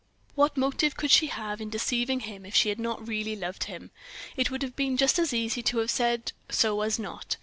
What motive could she have had in deceiving him if she had not really loved him? It would have been just as easy to have said so as not.